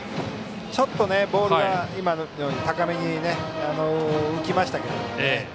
ちょっとボールが今、言ったように高めに浮きましたけどね。